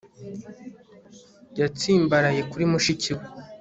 Yatsimbaraye kuri mushiki we